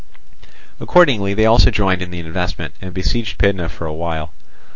Accordingly they also joined in the investment, and besieged Pydna for a while.